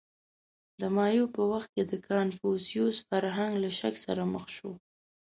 • د مایو په وخت کې د کنفوسیوس فرهنګ له شک سره مخ شو.